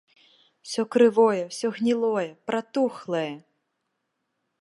Усё крывое, усё гнілое, пратухлае.